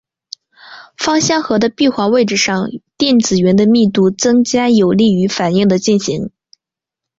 芳香核的闭环位置上电子云的密度增加有利于反应的进行。